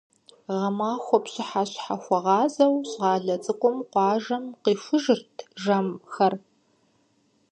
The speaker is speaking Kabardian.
Гъэмахуэ пщыхьэщхьэхуэгъазэу щӏалэ цӏыкӏум къуажэм къихужырт жэмхэр.